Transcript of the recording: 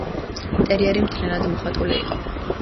ინტერიერი მთლიანად მოხატული იყო.